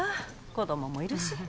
子供もいるし。